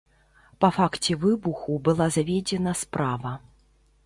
Па факце выбуху была заведзена справа.